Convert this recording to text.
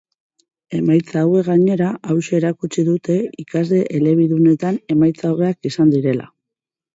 Emaitza hauek gainera, hauxe erakutsi dute ikasle elebidunetan emaitza hobeak izan direla.